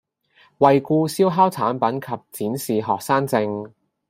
惠顧燒烤產品及展示學生證